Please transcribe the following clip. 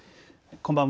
こんばんは。